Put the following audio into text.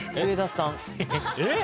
えっ？